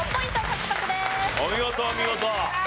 お見事お見事。